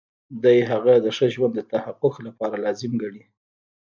دی هغه د ښه ژوند د تحقق لپاره لازم ګڼي.